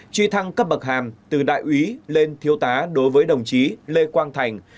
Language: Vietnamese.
truy thăng cấp bậc hàm từ đại úy lên thiếu tá đối với đồng chí lê quang thành